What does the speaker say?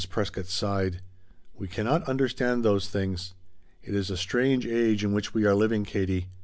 Prescott sighed. "We cannot understand those things. It is a strange age in which we are living, Katie.